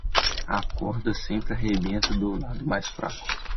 A corda sempre arrebenta do lado mais fraco